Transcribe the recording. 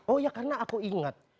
oh ya karena aku ingat